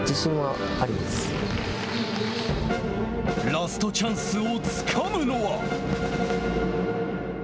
ラストチャンスをつかむのは。